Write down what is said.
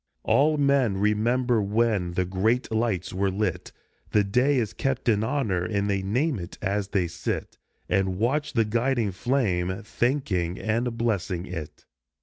All men remember when the great lights were lit, The day is kept in honor, and they name it as they sit And watch the guiding flame, thanking and blessing it.